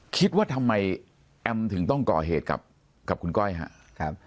คิดว่าทำไมแอมถึงต้องก่อเหตุกับคุณก้อยครับ